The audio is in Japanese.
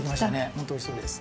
ほんとおいしそうです。